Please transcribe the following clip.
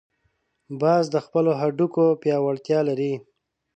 باز د خپلو هډوکو پیاوړتیا لري